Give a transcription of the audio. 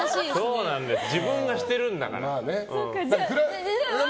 自分がしてるんだから。